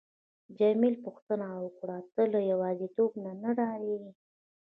جميله پوښتنه وکړه: ته له یوازیتوب نه ډاریږې؟